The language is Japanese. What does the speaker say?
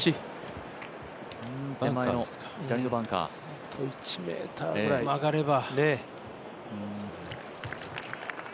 あと１ｍぐらい曲がれば。